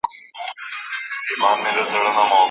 د ګل غونډۍ پر سره لمن له ارغوانه سره